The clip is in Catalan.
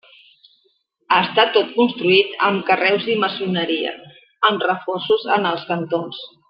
Està tot construït amb carreus i maçoneria, amb reforços en els cantons.